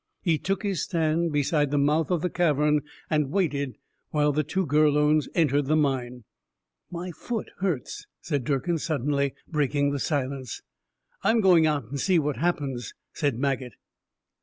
He took his stand beside the mouth of the cavern, and waited while the two Gurlones entered the mine. "My foot hurts," said Durkin suddenly, breaking the silence. "I'm going out and see what happens," said Maget.